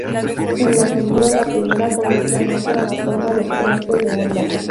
En la figura, la primera columna muestra la forma del frente de onda.